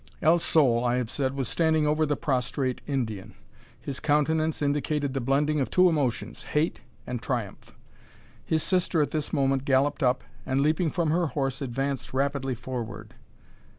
El Sol, I have said, was standing over the prostrate Indian. His countenance indicated the blending of two emotions, hate and triumph. His sister at this moment galloped up, and, leaping from her horse, advanced rapidly forward.